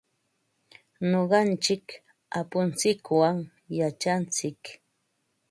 Nuqanchik apuntsikwan yachantsik.